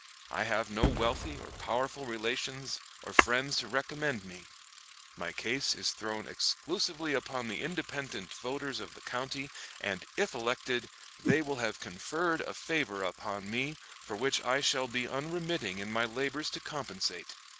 I have no wealthy or powerful relations or friends to recommend me. My case is thrown exclusively upon the independent voters of the county; and, if elected, they will have conferred a favor upon me, for which I shall be unremitting in my labors to compensate.